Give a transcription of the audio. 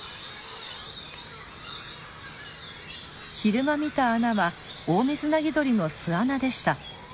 昼間見た穴はオオミズナギドリの巣穴でした。